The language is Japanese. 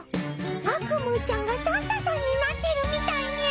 アクムーちゃんがサンタさんになってるみたいみゃ！